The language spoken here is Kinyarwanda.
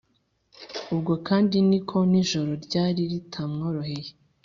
ubwo kandi ni ko n’ijoro ryari ritamworoheye.